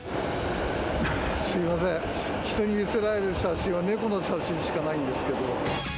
すみません、人に見せられる写真は猫の写真しかないんですけど。